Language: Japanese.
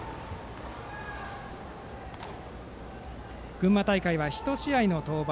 群馬大会は１試合の登板。